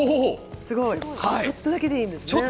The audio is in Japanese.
ちょっとだけでいいんですね。